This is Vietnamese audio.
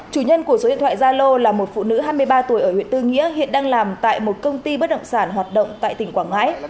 chủ nhân của số điện thoại gia lô là một phụ nữ hai mươi ba tuổi ở huyện tư nghĩa hiện đang làm tại một công ty bất động sản hoạt động tại tỉnh quảng ngãi